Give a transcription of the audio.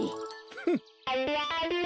フッ。